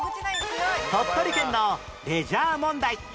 鳥取県のレジャー問題